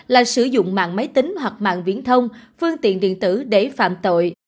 là sử dụng mạng máy tính hoặc mạng viễn thông phương tiện điện tử để phạm tội